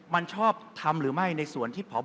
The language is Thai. มันชอบทำหรือไม่ในส่วนที่พบ